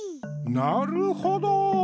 なるほど！